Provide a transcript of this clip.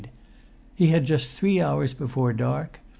He had just three hours before dark.